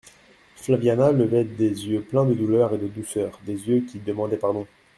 Flaviana levait des yeux pleins de douleur et de douceur, des yeux qui demandaient pardon.